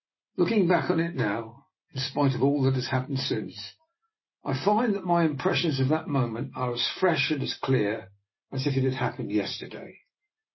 Looking back on it now, in spite of all that has happened since, I find that my im pressions of that moment are as fresh and clear as if it had happened yesterday.